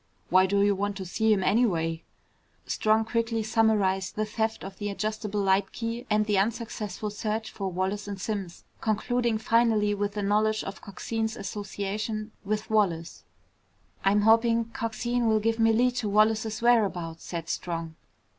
Why do you want to see him, anyway?" Strong quickly summarized the theft of the adjustable light key and the unsuccessful search for Wallace and Simms, concluding finally with the knowledge of Coxine's association with Wallace. "I'm hoping Coxine will give me a lead to Wallace's whereabouts," said Strong.